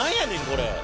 これ。